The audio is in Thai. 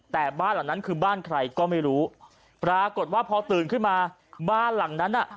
แต่บ้านหลังนั้นคือบ้านใครก็ไม่รู้ปรากฏว่าพอตื่นขึ้นมาบ้านหลังนั้นอ่ะ